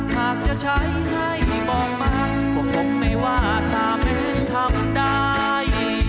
หากจะใช้ใครบอกมาพวกผมไม่ว่าถ้าไม่ทำได้